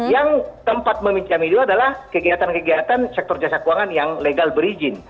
yang tempat meminjam itu adalah kegiatan kegiatan sektor jasa keuangan yang legal berizin